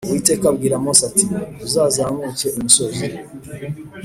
Uwiteka abwira Mose ati Uzazamuke uyu musozi